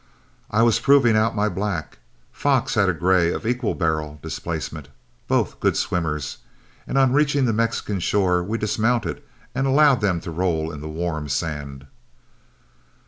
I was proving out my black, Fox had a gray of equal barrel displacement, both good swimmers; and on reaching the Mexican shore, we dismounted and allowed them to roll in the warm sand.